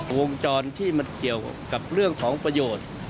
วงจรที่มันเกี่ยวกับเรื่องของประโยชน์